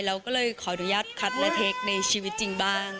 เราก็เลยขออนุญาตคัดและเทคในชีวิตจริงบ้าง